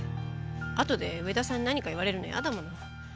あとで植田さんに何か言われるの嫌だもの。